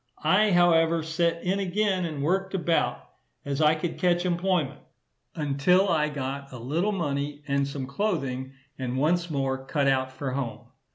I, however, set in again, and worked about as I could catch employment, until I got a little money, and some clothing; and once more cut out for home.